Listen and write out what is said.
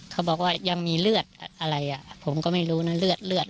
เขาบอกว่ายังมีเลือด